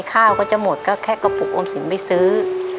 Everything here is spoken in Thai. ข้าวก็จะหมดก็แค่กระปุกออมสินไปซื้อ